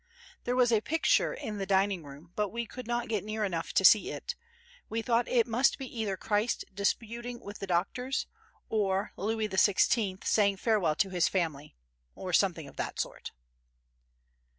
There was a picture in the dining room but we could not get near enough to see it; we thought it must be either Christ disputing with the Doctors or Louis XVI saying farewell to his family—or something of that sort.